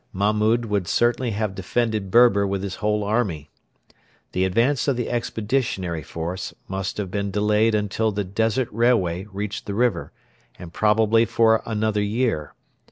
Mahmud would certainly have defended Berber with his whole army. The advance of the Expeditionary Force must have been delayed until the Desert Railway reached the river, and probably for another year.